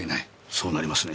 そうなりますね。